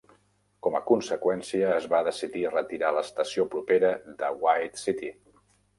Com a conseqüència, es va decidir retirar l'estació propera de White City.